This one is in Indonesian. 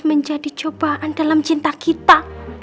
menjadi cobaan dalam cinta kita